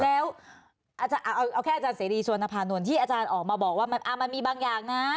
แล้วเอาแค่อาจารย์เสรีชวนภานนท์ที่อาจารย์ออกมาบอกว่ามันมีบางอย่างนะ